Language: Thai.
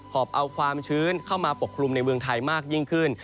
อบเอาความชื้นเข้ามาปกคลุมในเมืองไทยมากยิ่งขึ้น